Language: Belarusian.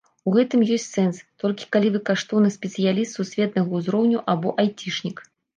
У гэтым ёсць сэнс, толькі калі вы каштоўны спецыяліст сусветнага ўзроўню або айцішнік.